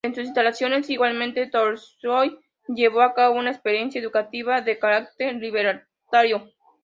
En sus instalaciones igualmente Tolstói llevó a cabo una experiencia educativa de carácter libertario.